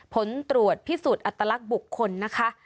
ผลตรวจพิสูจน์อัตลักษณ์บุคคลนะคะ